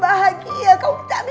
bukan begitu maksud aku ma